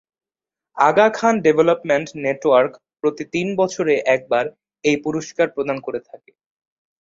আগা Khan Development Network প্রতি তিন বছরে একবার এই পুরস্কার প্রদান করে থাকে।